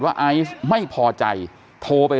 เฮ้ยเฮ้ยเฮ้ยเฮ้ย